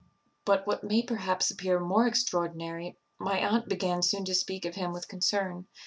"But what may perhaps appear more extraordinary, my aunt began soon to speak of him with concern.